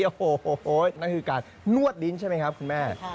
โอ้โหนั่นคือการนวดลิ้นใช่ไหมครับคุณแม่